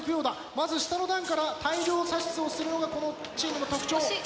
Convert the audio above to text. まず下の段から大量射出をするのがこのチームの特徴。